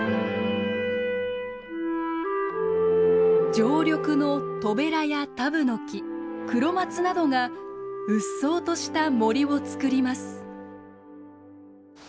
常緑のトベラやタブノキクロマツなどがうっそうとした森を作ります。